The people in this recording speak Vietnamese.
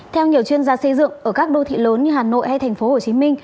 theo nhiều chuyên gia xây dựng ở các đô thị lớn như hà nội hay tp hcm